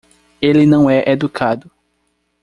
Ele não é educado.